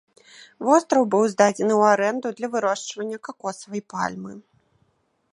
Востраў быў здадзены ў арэнду для вырошчвання какосавай пальмы.